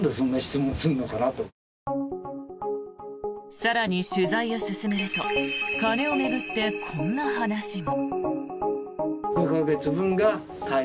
更に取材を進めると金を巡って、こんな話も。